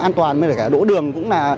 an toàn đỗ đường cũng là